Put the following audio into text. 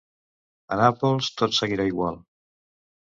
A Nàpols tot seguirà igual.